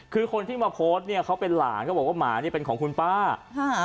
คือคนที่มาโพสต์เนี่ยเขาเป็นหลานเขาบอกว่าหมานี่เป็นของคุณป้าค่ะ